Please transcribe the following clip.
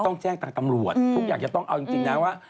ต้องแจ้งทางตำรวจทุกอย่างจะต้องเอาจริงนะว่า